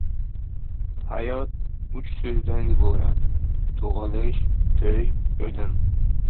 • Hayot uch so‘zdan iborat: tug‘ilish, to‘y, o‘lim.